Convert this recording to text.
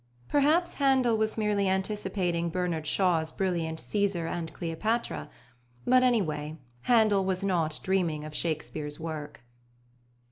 Perhaps Handel was merely anticipating Bernard Shaw's brilliant Cæsar and Cleopatra, but, any way, Handel was not dreaming of Shakespeare's work.